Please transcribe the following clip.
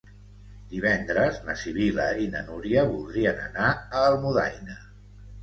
Divendres na Sibil·la i na Núria voldrien anar a Almudaina.